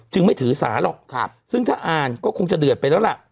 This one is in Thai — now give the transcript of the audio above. ไม่ถือสาหรอกซึ่งถ้าอ่านก็คงจะเดือดไปแล้วล่ะ